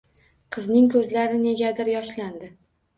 Qizning ko`zlari negadir yoshlandi